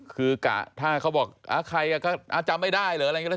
คือกะถ้าเขาบอกอ้าวใครอ่ะอ้าวจำไม่ได้หรืออะไรอย่างนี้